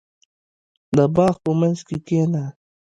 • د باغ په منځ کې کښېنه.